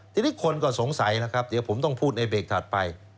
ทีนี้คนก็สงสัยนะครับเดี๋ยวผมต้องพูดในเบรกถัดไป